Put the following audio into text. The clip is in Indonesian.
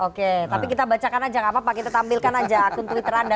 oke tapi kita bacakan aja gak apa apa kita tampilkan aja akun twitter anda